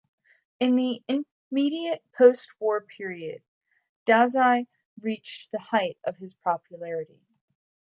In the immediate post-war period, Dazai reached the height of his popularity.